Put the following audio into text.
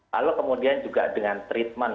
lalu kemudian juga dengan treatment